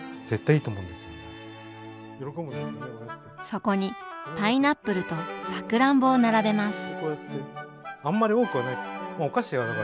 そこにパイナップルとさくらんぼを並べます。